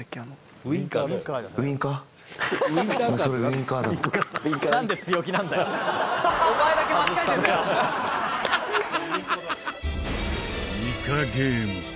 ニカゲーム。